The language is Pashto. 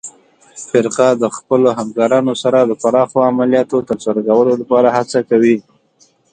فرقه د خپلو همکارانو سره د پراخو عملیاتو ترسره کولو لپاره هڅه کوي.